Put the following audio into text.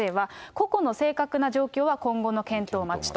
個々の正確な状況は、今後の検討待ちと。